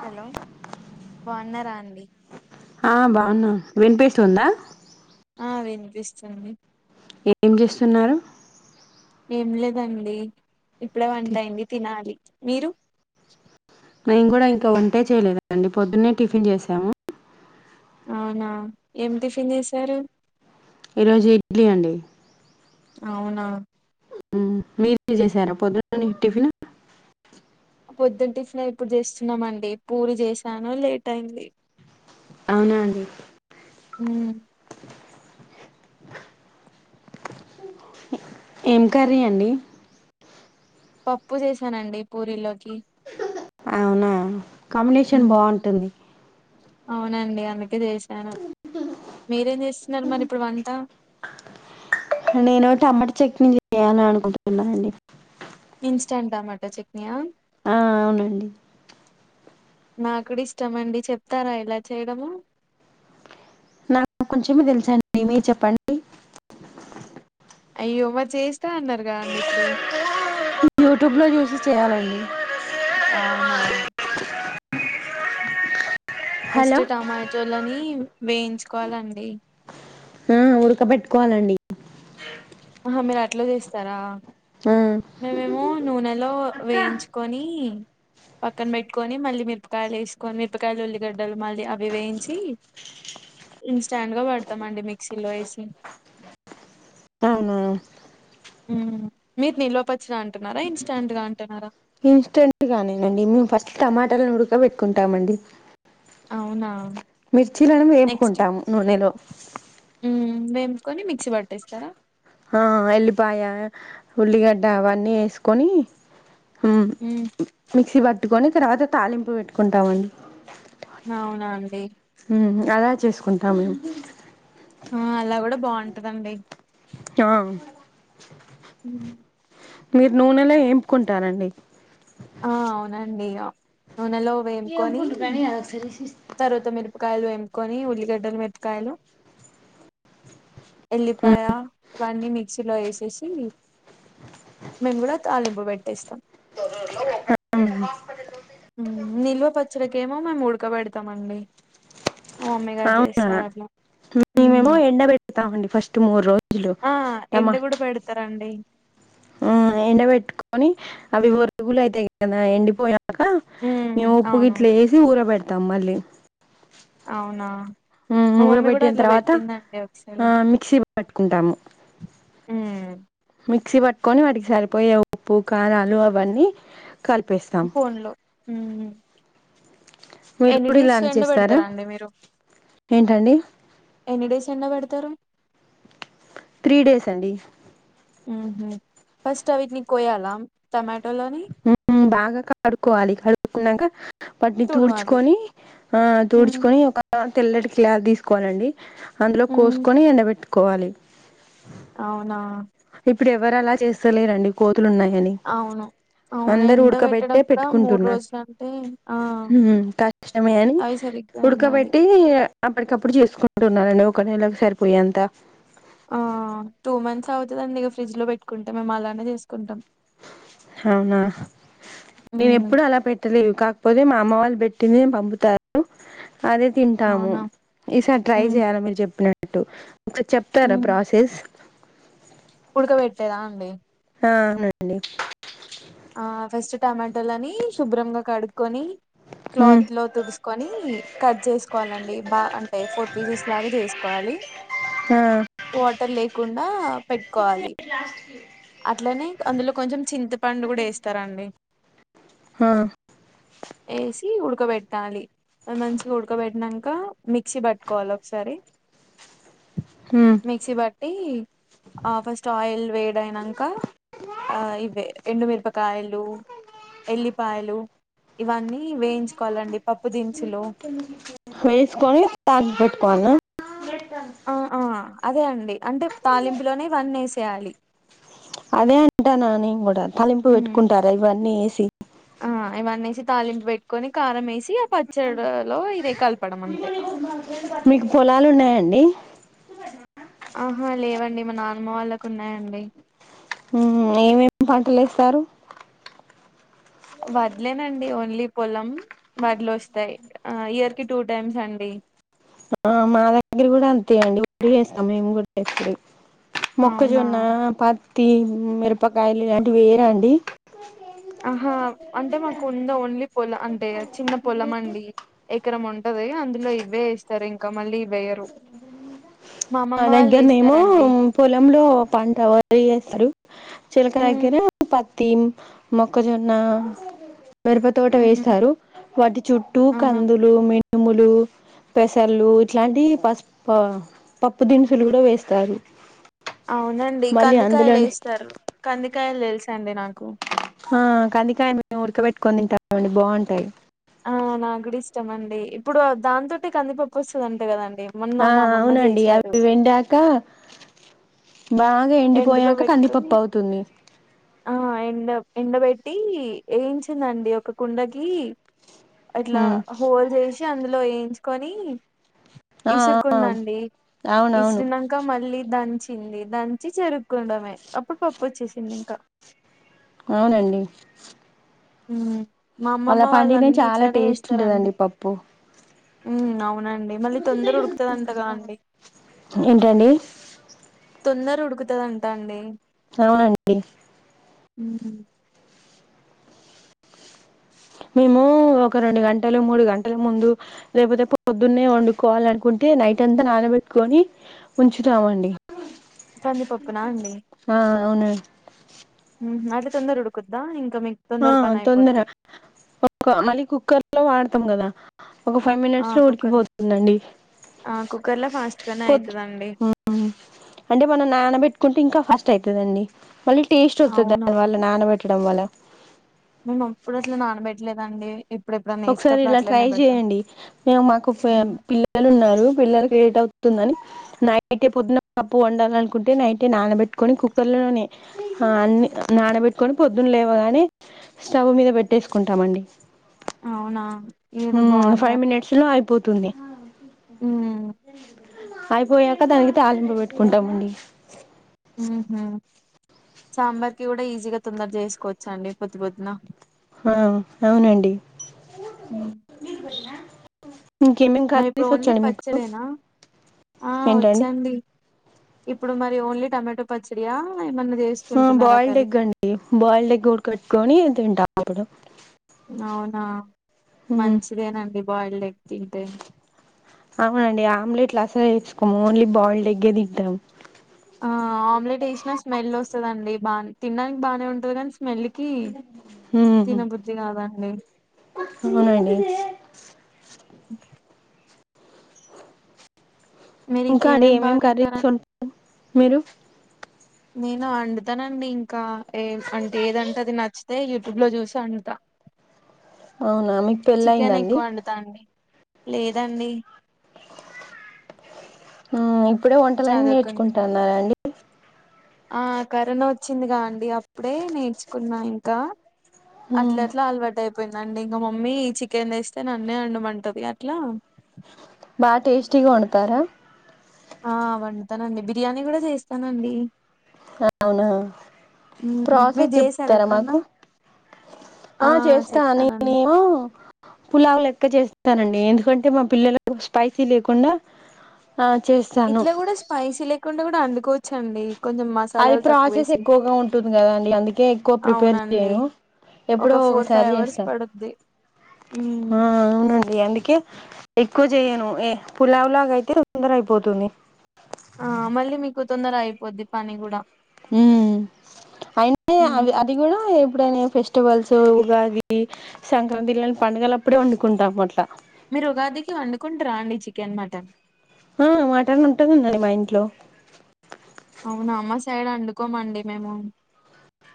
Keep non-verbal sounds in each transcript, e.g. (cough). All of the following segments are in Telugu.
హలో బాన్నారా అండి హ బాగున్నా వినిపిస్తుందా ఆ వినిపిస్తుంది ఏం చేస్తున్నారు ఏం లేదండీ ఇప్పుడే వంట అయింది తినాలి మీరు నేను గూడా ఇంకా వంటే చేయలేదండి పొద్దున్నే టిఫిన్ చేసాము అవునా ఏమ్ టిఫిన్ చేసారు ఈరోజు ఇడ్లీ అండి అవునా ఉమ్ మీరే చేసారా పొద్దున్న టిఫిన్ పొద్దున టిఫిన్ ఎ ఇప్పుడు చేస్తున్నామండి పూరి చేసాను లేట్ అయింది అవున అండి ఉమ్, ఏం కర్రీ అండి పప్పు చేసానండి పూరీల్లోకి అవునా కామ్నేషన్ ఉమ్, బాగుంటుంది అవునండి అందుకే చేసాను మీరేం చేస్తున్నారు మరి ఇప్పుడు వంట నేను టమాట చక్నీ చేయాలనుకుంటున్నానండి ఇన్స్టంట్ టమాట చక్నియా ఆ అవునండి నాకుడ ఇష్టమండి చెప్తారా ఎలా చేయడమొ నాకు కొంచమే తెలుసండి మీరు చెప్పండి అయ్యోమరి చేస్తా అన్నారు గా అండి ఇప్పుడు యూట్యూబ్లో చూసి చేయాలండి అవునా ఫస్ట్ హలో టమాటోలని వేయించుకోవాలండి ఆ ఉడకబెట్టుకోవాలండి అహ మీరు అట్ల చేస్తరా ఆ, మేమేమో నూనెలో వేయించుకొని పక్కన పెట్టుకొని మళ్ళీ మిరపకాయలు ఎసుకొని మిరపకాయలు ఉల్లిగడ్డలు మళ్ళీ అవి వేయించి ఇన్స్టండ్ గా వాడతామండి మిక్సీలో ఏసి అవునా ఉమ్ మీరు నిల్వపచ్చడ అంటున్నారా ఇన్స్టాంట్ గా అంటున్నారా ఇన్స్టెంట్ గానే నండి మేము ఫస్ట్ టమాటాలను ఉడక పెట్టుకుంటామండి అవునా మిర్చీలను నెక్స్ట్ ఏంపుకుంటాం నూనెలో కొని మిక్సీ పట్టేస్తారా హ ఎల్లిపాయ ఉల్లిగడ్డ అవన్నీ ఎసుకొని హుమ్ మ్మ్ మిక్సీ పట్టుకొని తర్వాత తాలింపు పెట్టుకుంటామండి నవునా అండి హ్మ్ అలా చేసుకుంటా మేము ఆ అలా గూడా బావుంటదండి కా హ్మ్ మీరు నూనెలో ఏంపుకుంటారండి ఆ అవునండి నూనెలో వెంపుకొని తరువాత మిరపకాయలు ఎంకొని ఉల్లిగడ్డలు మిరపకాయలు ఎల్లిపాయ ఇవన్నీ మిక్సీలో ఎసేసి మేము గూడా తాలింపు పెట్టేస్తాం అ హాస్పిటల్లో హ్మ్ నిల్వ పచ్చడికేమో మేము ఉడకబెడతామండి. అమ్మేగా అవునా జేస్తాది అది మేమేమో ఎండ బెడతామండి ఫస్ట్ మూడు రోజులు టమా ఇత్తరండి. హ్మ్ ఎండబెట్టుకోని అవి వరుగులు అయితాయి కదా ఎండిపోయాక ఉమ్ మేము అవును ఉప్పుగిట్ల ఏసి ఊర బెడ తాం మళ్ళీ అవునా మా మమ్మీ గూడా ఊరబెట్టిన అట్లా తర్వాత పెట్టిందండి ఒక్సారి ఆ మిక్సీ పట్టుకుంటాము హ్మ్ మిక్సీ బట్టుకొని వాటికి సరిపోయే ఉప్పు కారాలు అవన్నీ కలిపేస్తాం ఫోన్లో హ్మ్ మీరు ఎన్ని కూడా డేస్ ఇలానే ఎండ చేస్తారా పెడతారండీ మీరు ఏంటండి ఎన్నిడేస్ ఎండబెడతారు త్రీ డేస్ అండి హ్మ్ హు ఫస్ట్ అవిట్ని కోయాలా టమాటోలని హ్మ్ బాగా కడుక్కోవాలి కడుక్కున్నంక పట్ని తుడవాలి తూడ్చుకొని ఆ ఉమ్ తూడ్చుకొని ఒక తెల్లటి క్లాత్ దీసుకోవాలండి అందులో హ్మ్ కోసుకొని ఎండబెట్టుకోవాలి అవునా ఇప్పుడు ఎవరలా చేస్తలేరండి కోతులు ఉన్నాయని. అవును అవును అందరు ఎండ పెట్టడం ఉడకబెట్టే కూడా మూడు పెట్టుకుంటున్నా రోజులు అంటే ఆ హ్మ్ కష్టమే అని అవి సరిగ్గా ఎండాలి ఉడకబెట్టి అప్పటికప్పుడు చేసుకుంటున్నారండి ఒక నెలకి సరిపోయే అంత ఆ టూ మంత్స్ అవుతదండి ఇగ ఫ్రిడ్జ్ లో పెట్టుకుంటే మేము అలానే చేసుకుంటాం. హవునా నేను హ్మ్ ఎప్పుడూ అలా పెట్టలేవు కాకపోతే మా అమ్మ వాళ్ళు బెట్ టినే పంపుతారు అదే తింటాము అవునా ఈసారి ట్రై హ్మ్ చేయాల మీరు చెప్పిన ట్టు ఒకసారి చెప్తారా హ్మ్ ప్రాసెస్ ఉడకబెట్టేదా అండి ఆ అవునండి ఆ ఫస్ట్ టమాటోలని శుభ్రంగా కడుక్కొని ఉమ్ క్లాత్లో తుడుసుకొని కట్ చేసుకోవాలండి బా అంటే ఫోర్ పీసెస్ లాగా చేసుకోవాలి ఆ వాటర్ లేకుండా పెట్టుకోవాలి అట్లనే అందులో కొంచం చింత పండు గూడా యేస్తార అండి హా యేసి ఉడకబెట్టాలి మంచిగా ఉడకబెట్టినంకా మిక్సీ బట్టుకోవాలి ఒకసారి ఉమ్ మిక్సీ బట్టి ఆ ఫస్ట్ ఆయిల్ వేడి అయినంకా ఆ ఇవే ఎండు మిరపకాయలు ఎల్లిపాయలు ఇవన్నీ వేయించుకోవాలండి పప్పు దినుసులు వేసుకొని తా పెట్టుకోవన్నా ఆ హ్ అదే అండి అంటే తాలింపులోనే ఇవన్నీ వేసేయాలి అదే అంటన్న నేన్ కూడా తలింపు వెట్టుకుంటారా ఇవన్నీ ఎసి అ ఇవన్నేసి తాలింపు పెట్టుకొని కారం ఎసి పచ్చడలో ఇదే కలపడం అంతే మీకు పొలాలు ఉన్నాయండి అహా లేవండి మా నానమ్మ వాళ్ళకు ఉన్నాయండి మ్హ్ ఏమేమి పంటలు ఏస్తారు వడ్లేనండి ఓన్లీ పొలం వడ్లు వస్తాయ్ ఆ ఇయర్ కి టు టైమ్స్ అండి ఆ మా దగ్గర గూడా అంతే అండి వరి వేస్తాం మేం కూడా ఎప్పుడూ అవునా మొక్కజొన్నా పత్తి మిరపకాయలు ఇలాంటివి ఏయారండి ఆహా అంటే మకు ఉందోన్లీ పొల అ అంటే చిన్న పొలం అండి ఎకరం ఉంటది దే అందులో ఇవ్వె ఎస్తారు ఇంకా మళ్ళీ ఇవ్వెయ్యారు మా దగ్గరనేమో పొలంలో పంట వరి ఎస్తారు చెలక ఉమ్ దగ్గర ప తీమ్ మొక్కజన్న మెరప తోట ఉహు వేస్తారు వాటి చుట్టూ అవునా కందులు మె నుములు పెసళ్ళు ఇట్లాంటియి పస్ ప పప్పు దినుసులు గుడా వేస్తారు అవునండి మళ్ళీ కందికాయలు అందులోనే ఏస్తారు కందికాయలు తెల్సండి నాకు ఆ కందికాయను మేం ఉడకబెట్టుకొని తింటామండి బావుంటాయి ఆ నగ్గూడ ఇష్టమండి ఇప్పుడు దాంతోటే కందిపప్పు ఒస్సదంట కదండి డి మొన్న ఆ మా అమ్మమ్మ అవునండి చేశారు అవి వెండాక బాగా ఎండలో ఎండిపోయాక పెట్టుకొని కందిపప్పు అవుతుంది ఆ ఎండ ఎండబెట్టీ ఏంచిందండి ఒక కుండకి అట్లా ఉమ్ హోల్ జేసి అందులో ఏయించుకొని ఆ ఆ ఇసురుకుందండి అవునవును ఇస్రినంక మళ్ళీ దంచి చింది దంచి చెర్రుక్కుండమే అప్పుడు పప్పు ఒచ్చేసింది ఇంకా ఔనండి మ్ మామ్మమ్మ వాళ్ళన్నీ చాలా ఇట్లనే టేస్ట్ ఏస్తరండి ఉంటదండి పప్పు మ్ అవునండి మళ్ళీ తొందర ఉడుకుతదంటగా అండి ఏంటండి తొందర ఉడుకుతదంటా అండి ఔనండి ఉమ్ మేము ఒక రెండు గంటలు మూడు గంటల ముందు లేకపోతే పొద్దున్నే వండుకోవాలనుకుంటే టే నైట్ అంత నానబెట్టుకొని ఉంచుతామండి కందిపప్పునా అండి ఆ అవునా ఉమ్ అట్ల తొందర ఉడుకుద్ద ఇ ఆ తొందర ఒక మళ్ళీ కుక్కర్లో వాడతాం గదా ఒక ఫైవ్ ఆ మినిట్స్ లో కుక్కర్ ఉడికిపోతుందండి ఆ కుక్కర్ లో ఫాస్ట్ గానే పొద్ అయితదండి ఉమ్ అంటే మనం నానబెట్టుకుంటే ఇంకా ఫస్ట్ స్టైతదండి మళ్ళీ టేస్ట్ ఒత్తది దానివల్ల నానబెట్టడం వల్ల మేమప్పుడు అట్ల నానబెట్టలేదండి ఇప్పుడెప్పుడన్నా ఒక్సారి వేసేటప్పుడు ఇలా ట్రై అట్లనే పెడతాం జేయండి మేమ్ మాకు ప్ పిల్లలు ఉన్నారు పిల్లలకి లేట్ అవు తుందని నైటే పొద్దున్న కప్పు వండాలనుకుంటే నైటే నానబెట్టుకొని కుక్కర్లలోనే హ అన్ని నానబెట్టుకొని పొద్దున్లేవగానే స్టవ్ మీద బెట్టేసుకుంటామండి అవునా ఇదేదో హ్మ్ బాగుంద ఫైవ్ మినిట్స్ లో అయిపోతుంది ఉమ్ అయిపోయాక దానికి తాలింపు పెట్టుకుంటామండి ఉహు సాంబార్ కి కూడా ఈజీగా తొందర చేసుకోవచ్చు అండి పొద్దు పొద్దున ఆ అవునండి ఇంకేమేమి నువ్ ఇప్పుడు కర్రీస్ ఓన్లీ వచ్చండి మీకు పచ్చడేనా ఆ ఏంటండి వచ్చండి ఇప్పుడు మరి ఓన్లీ టమాటో పచ్చడియా ఏమన్నా ఆ చేసుకుంటున్నారా బాయిల్డ్ కర్రీ ఎగ్ అండి బాయిల్డ్ ఎగ్ ఉడక పేట్టుకొని తింటాం ఇప్పుడు అవునా మంచిదేనండి బాయిల్డ్ ఎగ్ తింటే అవునండి ఆమ్లెట్లు అసలు వేసుకోము ఓన్లీ బాయిల్డెగ్గే తింటాం ఆ ఆమ్లెట్ ఎసినా స్మెల్ ఓస్తాదండి బా తినడానికి బాగానే ఉంటది కానీ స్మెల్లీకీ హ్మ్ తినబుద్ధి కాదాండి అవునండి (unintelligible) మీరు ఇంకా అండి ఇంకేమేం బాగా ఏమేమి తింటారండి కర్రీస్ ఒ మీరు నేను అండుతనండి ఇంకా ఏం అంటే ఏదంటే అది నచ్చు తే యూట్యూబ్ లో చూసి వన్డుతా అవునా మీకు పెళ్ళి చికెన్ అయిందండి ఎక్కువ వండుతా అండి లేదండి ఆ ఇప్పుడే వంటలన్నీ చదువుకుంటున్నా నేర్చుకుంటాన్నరాండి ఆ కరోనా వచ్చిందిగా అండి అప్పుడే నేర్చుకున్నా ఇంకా అట్ల హ్మ్ అట్లా అలవాటు అయిపోయిందండి ఇంకా మమ్మీ చికెన్ తెేస్తే నన్నే అన్డమంటది అట్లా (unintelligible) బా టేస్టీగా వండుతారా ఆ వండుతానండి బిర్యానీ కూడా చేస్తానండి అవునా మ్మ్. మీరు ప్రాసెస్ చేసారా చెప్తారా ఎప్పుడన్నా మాకు ఆ చేస్తా నే నేను పులావు లెక్క చేస్ స్తానండి ఎందుకంటే మా పిల్లలకు స్పైసీ లేకుండా ఆ చేస్తాను కుండా కూడా అండుకోవచ్చండి అది ప్రాసెస్ ఎక్కువగా ఉంటుంది కదాండి అందుకే ఎక్కువ ప్రిపేర్ అవునండి చేయను ఎప్పుడో ఒక ఫోర్ ఒకసారి ఫైవ్ అవర్స్ చేస్తా పడుద్ది ఆ ఉమ్ అవునండి అందుకే ఎ క్కువ చెయను ఏ పులావులాగ అయితే తొందర అయిపోతుంది ఆ మళ్ళీ మీకు తొందర అయిపోద్ది పని కూడా ఉమ్ అయిన ఉమ్ అవి అది కూడా ఎప్పుడైనా ఫెస్ స్టివల్స్ ఉగాది సంక్రాంతి ఇలాంటి పండుగలు అప్పుడే వండుకుంటాం అట్లా మీరు ఉగాదికి వండుకుంటరా అండి చికెన్ మటన్ ఆ మాటన్ ఉంటది మా ఇంట్లో అవునా మా సైడ్ అండుకోమండి మేము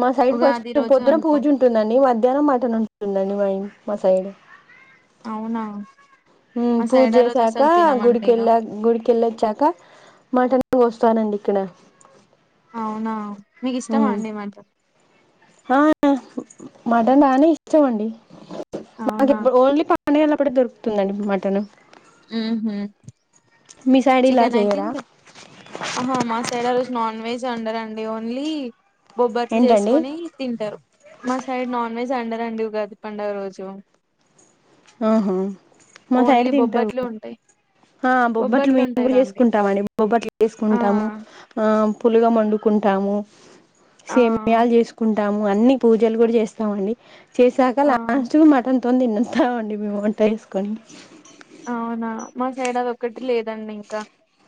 మా సైడ్ ఉగాది ఫస్ట్ రోజు పొద్దున పూజ వండుకోం ఉంటుందండి మధ్యాహ్నం మట్టన్ ఉంటుందండి మ మా సైడ్ అవునా ఉమ్ మా పూజ సైడ్ ఆ రోజు చేసాక అసలు తినమండి ఇగ గుడికెళ్ళ గుడికెళ్ళొచ్చాక మటన్ కోస్తానండి ఇక్కడ అవునా మీకు ఇష్టమా హ్మ్ అండి మాట ఆ మటన్ బానే ఇష్టం అండి అవునా మాకిప్పుడు ఓన్లీ పం డగలప్పుడే దొరుకుతుందండి మటను ఉహు సైడ్ ఇలా చికెన్ ఐ చేయరా థింక్ ఆహా మా సైడ్ ఆ రోజు నాన్ వెజే ఒండారండి ఓన్లీ బొబ్బట్లు ఏంటండి చేసుకొని తింటారు మా సైడ్ నాన్ వెజ్ అండ రెండు ఉగాది పండగ రోజు అహ మా సైడ్ ఓన్లీ తింటారు బొబ్బట్లు ఉంటాయి ఆ బొబ్బట్లు మేము కూడా చేసుకుంటాం అండి బొబ్బట్లు చేసుకుంటాము ఆ ఆ పులుగం వండుకుం కుంటాము ఆ సేమ్యాల్ చేసుకుంటాము అన్ని పూజలు కూడా చేస్తామండి చేసాక ఆ లాస్ట్ మిట్టన్న్తో తింటమండి మేమ్ వంట చెసుకొని అవునా మా సైడ్ అదొక్కటి లేదండింకా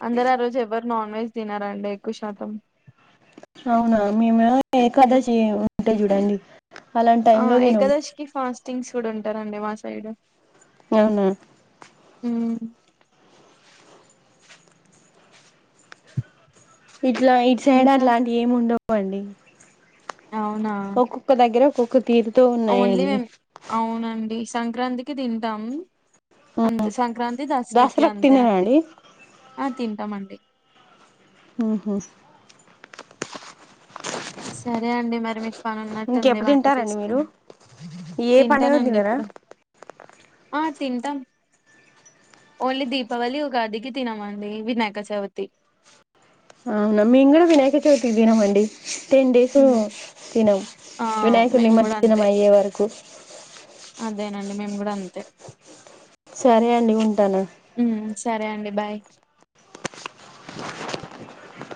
అందరు ఆరోజు ఎవరు నాన్వెజ్ తినారండి ఎక్కువశాతం అవునా మేమో ఏకదాషి ఉంటే చూడండి అలాంటి టైంలో తినం తింగ్స్ కూడా ఉంటారండి మా సైడ్ అవునా ఉమ్ ఇట్లా ఇటు సైడ్ ఇంకా అట్లాంటియి ఏముండవండి అవునా ఒక్కొక్క దగ్గర ఒక్కొక్క తీరుతో ఓన్లీ ఉన్నాయండి మేం అవునండి సంక్రాంతికి దింటాం అంతే ఉమ్. సంక్రాంతి దసరకి దసరాకు అంతే తినరా అండి ఆ తింటామం ండి ఉహు సరే అండి మరి మీ పని ఉన్నట్టుంది ఇంకెప్పుడు వంట తింటారండి మీరు చేస్కోని ఏ పండుగకు తింటానండి తినరా ఇప్పుడు ఆ తింటాం ఓన్లీ దీపావళి ఉగాది కి తినమండి వినాయక చవితి అవునా మీంగుడ వినాయక చవితి కి తినమండి టెన్ డేసు ఉమ్. తినం ఆ వినాయకునీ మేము కూడా నిమజ్జనం అంతే అయ్యే వరకు అదేనండి మేమ్ గూడా అంతే సరే అండి ఉంటాన ఉమ్ సరే అండి బై